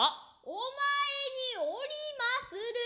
御前に居りまする。